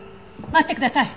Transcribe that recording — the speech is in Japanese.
待ってください！